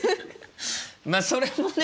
まあそれもね